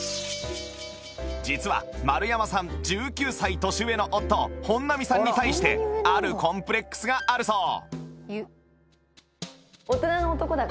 実は丸山さん１９歳年上の夫本並さんに対してあるコンプレックスがあるそう